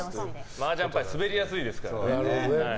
マージャン牌滑りやすいですからね。